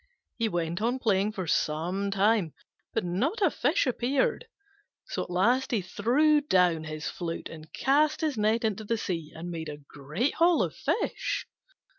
He went on playing for some time, but not a fish appeared: so at last he threw down his flute and cast his net into the sea, and made a great haul of fish.